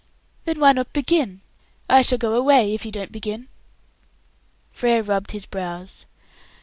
"Then why not begin? I shall go away if you don't begin." Frere rubbed his brows.